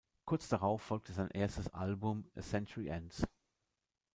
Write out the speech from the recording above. Kurz darauf folgte sein erstes Album "A Century Ends".